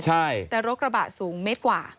ใช่แต่รถกระบะสูงเมตรกว่า